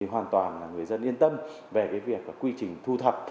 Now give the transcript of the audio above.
hoàn toàn là người dân yên tâm về cái việc quy trình thu thập